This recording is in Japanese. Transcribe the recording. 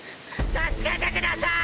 助けてください！